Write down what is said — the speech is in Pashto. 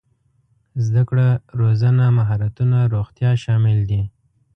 زده کړه روزنه مهارتونه روغتيا شامل دي.